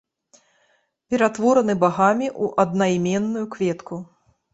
Ператвораны багамі ў аднайменную кветку.